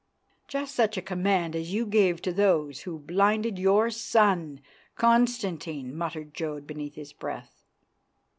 "Just such a command as you gave to those who blinded your son Constantine," muttered Jodd beneath his breath.